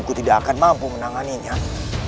kau tak akan menangkap abikara